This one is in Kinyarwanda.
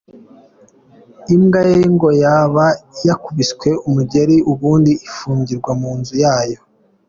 Imbwa ye yo ngo yaba yakubiswe umugeri, ubundi ifungirwa mu nzu yayo.